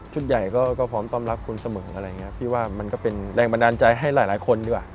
ใหญ่ก็พร้อมต้อนรับคุณเสมออะไรอย่างนี้พี่ว่ามันก็เป็นแรงบันดาลใจให้หลายคนดีกว่า